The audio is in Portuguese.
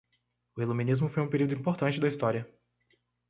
O iluminismo foi um período importante da história